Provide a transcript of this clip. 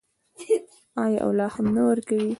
آیا او لا هم نه ورکوي؟